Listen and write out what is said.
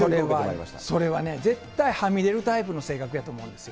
まそれはね、絶対はみ出るタイプの性格やと思うんですよ。